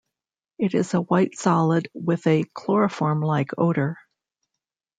It is a white solid with a chloroform-like odor.